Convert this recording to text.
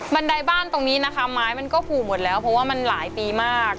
ใดบ้านตรงนี้นะคะไม้มันก็ผูกหมดแล้วเพราะว่ามันหลายปีมาก